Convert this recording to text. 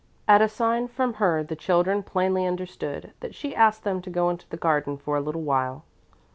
At a sign from her the children plainly understood that she asked them to go into the garden for a little while.